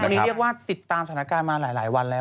ตอนนี้เรียกว่าติดตามสถานการณ์มาหลายวันแล้ว